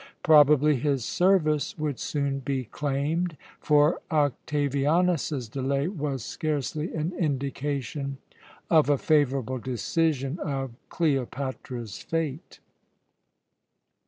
Probably his service would soon be claimed; for Octavianus's delay was scarcely an indication of a favourable decision of Cleopatra's fate.